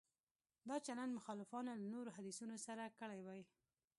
دا چلند مخالفانو له نورو حدیثونو سره کړی وای.